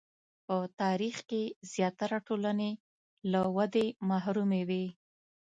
په تاریخ کې زیاتره ټولنې له ودې محرومې وې.